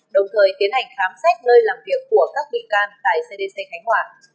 đồng thời tiến hành khám xét nơi làm việc của các bị can tại cdc khánh hòa